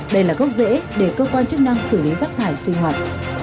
đây là gốc dễ để cơ quan chức năng xử lý rác thải sinh hoạt